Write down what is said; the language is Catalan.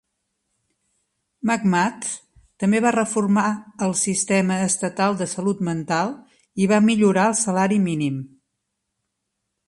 McMath també va reformar el sistema estatal de salut mental i va millorar el salari mínim.